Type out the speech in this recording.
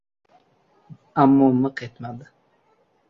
Ammo miq etmadi.